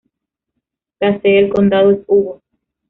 La sede del condado es Hugo.